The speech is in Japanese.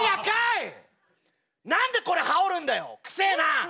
何でこれ羽織るんだよ臭えな！